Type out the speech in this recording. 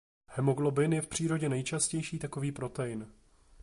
Hemoglobin je v přírodě nejčastější takový protein.